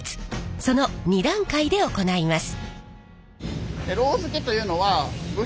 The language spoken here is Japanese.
その２段階で行います。